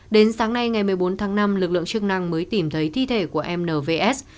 đến sáng nay ngày một mươi bốn tháng năm lực lượng chức năng mới tìm thấy thi thể của mvs